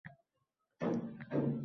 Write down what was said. Ertaga olib kelasizlar